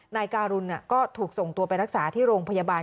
นายการุณก็ถูกส่งตัวไปรักษาที่โรงพยาบาล